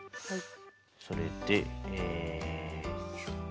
それでえ。